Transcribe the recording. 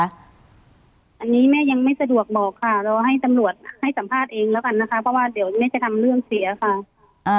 อันนี้แม่ยังไม่สะดวกบอกค่ะรอให้ตำรวจให้สัมภาษณ์เองแล้วกันนะคะเพราะว่าเดี๋ยวแม่จะทำเรื่องเสียค่ะ